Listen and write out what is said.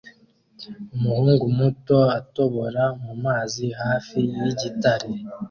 Umuhungu muto atobora mumazi hafi yigitare